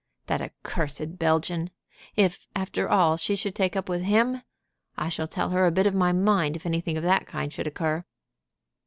"That accursed Belgian! If, after all, she should take up with him! I shall tell her a bit of my mind if anything of that kind should occur."